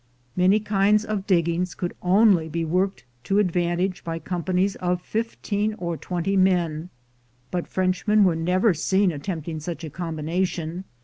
Many kinds of diggings could only be worked to advantage by com panies of fifteen or twenty men, but Frenchmen were never seen attempting such a combination.